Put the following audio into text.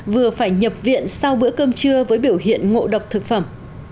vừa phải nhập viện sau bữa cơm trưa với biểu hiện ngộ độc thực phẩm